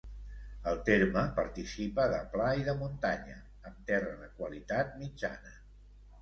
El terme participa de pla i de muntanya, amb terra de qualitat mitjana.